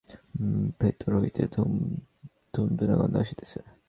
ভিতর হইতে ধূপধুনার গন্ধ আসিতেছে।